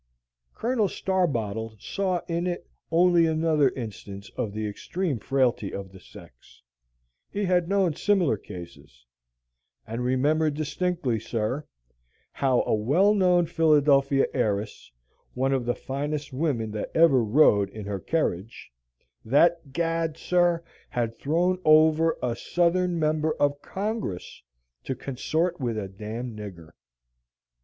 Colonel Starbottle saw in it only another instance of the extreme frailty of the sex; he had known similar cases; and remembered distinctly, sir, how a well known Philadelphia heiress, one of the finest women that ever rode in her kerridge, that, gad, sir! had thrown over a Southern member of Congress to consort with a d d nigger.